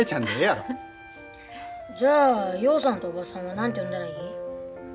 じゃあ陽さんとおばさんは何て呼んだらいい？